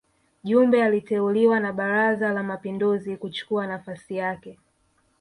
Jumbe aliteuliwa na Baraza la Mapinduzi kuchukua nafasi yake